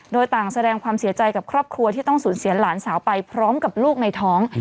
โดยต่างแสดงความเสียใจกับครอบครัวที่ต้องสูญเสียหลานสาวไปพร้อมกับลูกในท้อง